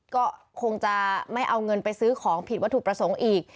ก็คงจะไม่เอาเงินไปซื้อของผิดวัตถุประสงค์อีก